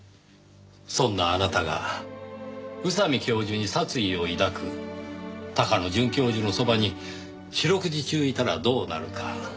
そんなあなたが宇佐美教授に殺意を抱く高野准教授のそばに四六時中いたらどうなるか。